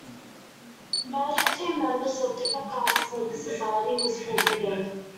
Marriage between members of different classes of the society was forbidden.